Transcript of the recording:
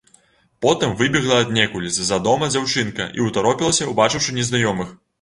Потым выбегла аднекуль з-за дома дзяўчынка і ўтаропілася, убачыўшы незнаёмых.